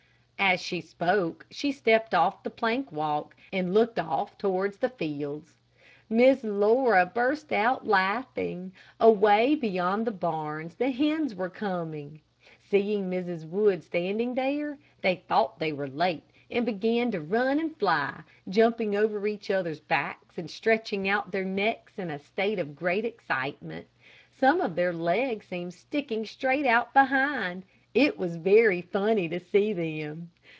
As she spoke she stepped off the plank walk, and looked off towards, the fields. Miss Laura burst out laughing. Away beyond the barns the hens were coming. Seeing Mrs. Wood standing there, they thought they were late, and began to run and fly, jumping over each other's backs, and stretching out their necks, in a state of great excitement. Some of their legs seemed sticking straight out behind. It was very funny to see them.